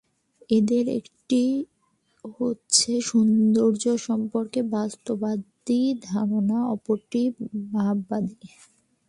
এদের একটি হচ্ছে সৌন্দর্য সম্পর্কে বস্তুবাদী ধারণা; অপরটি ভাববাদী।